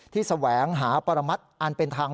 แสวงหาปรมัติอันเป็นทาง